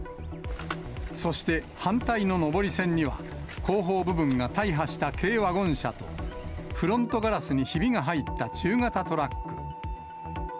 そして反対の上り線には、後方部分が大破した軽ワゴン車と、フロントガラスにひびが入った中型トラック。